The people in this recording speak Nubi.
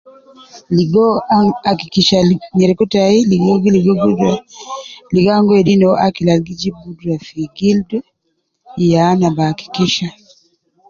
Ligo an akikisha gal nyereku tai ligo gi ligob gudra ,ligo an gi wedi no akil al gi jib gudra fi gildu, ya ana bi akikisha